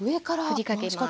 ふりかけます。